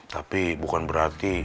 tapi bukan berarti